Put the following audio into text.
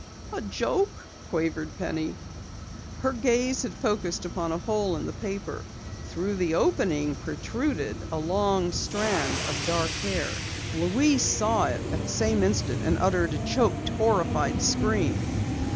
"A joke?" quavered Penny. Her gaze had focused upon a hole in the paper. Through the opening protruded a long strand of dark hair. Louise saw it at the same instant and uttered a choked, horrified scream.